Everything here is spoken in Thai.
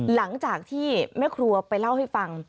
หลังจากที่แม่ครัวไปเล่าให้ฟัง